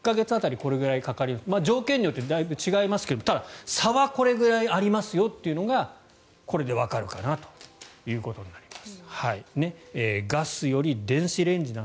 これくらい条件によってだいぶ違いますがただ、差はこれぐらいありますよというのがこれでわかるかなということになります。